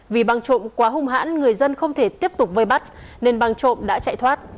vì băng trộm quá hung hãn người dân không thể tiếp tục vây bắt nên băng trộm đã chạy thoát